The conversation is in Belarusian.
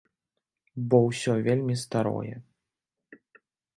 Бо ўсё вельмі старое.